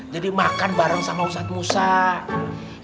jadi makan bareng sama usah usah